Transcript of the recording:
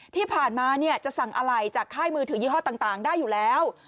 ที่ผ่านมาจะสั่งอะไรจากค่ายมือถือยี่ห้อต่างได้อยู่แล้ว